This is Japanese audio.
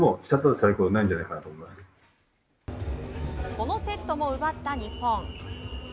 このセットも奪った日本。